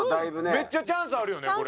めっちゃチャンスあるよねこれ。